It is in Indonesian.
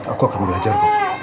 aku akan belajar